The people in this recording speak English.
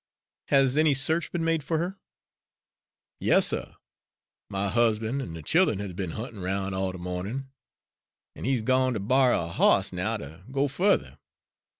"Has any search been made for her?" "Yas, suh, my husban' an' de child'en has been huntin' roun' all de mawnin', an' he's gone ter borry a hoss now ter go fu'ther.